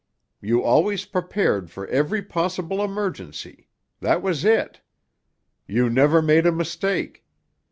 You always prepared for every possible emergency; that was it. You never made a mistake.